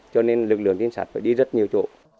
cho nên lực lượng trinh sát phải đi rất nhiều chỗ